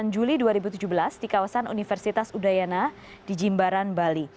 delapan juli dua ribu tujuh belas di kawasan universitas udayana di jimbaran bali